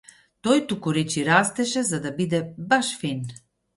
Тој тукуречи растеше за да биде баш фин.